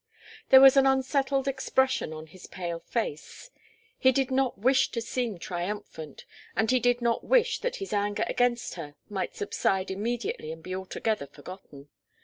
There was an unsettled expression on his pale face. He did not wish to seem triumphant, and he did wish that his anger against her might subside immediately and be altogether forgotten.